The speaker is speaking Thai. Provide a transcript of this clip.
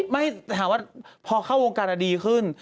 ไม่สามารถพอเข้าโงงการก็ดีขึ้น